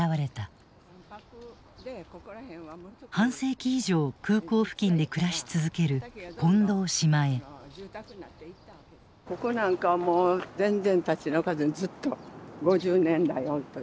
半世紀以上空港付近で暮らし続けるここなんかもう全然立ち退かずにずっと５０年来おるという。